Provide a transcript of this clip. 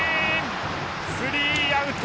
スリーアウト！